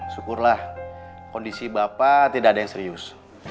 syukurlah kondisi bapak tidak ada yang serius